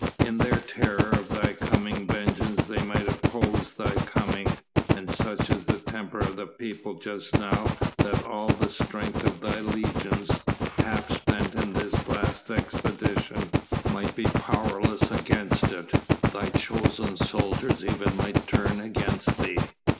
In their terror of thy coming vengeance they might oppose thy coming, and such is the temper of the people just now that all the strength of thy legions half spent in this last expedition might be powerless against it; thy chosen soldiers even might turn against thee."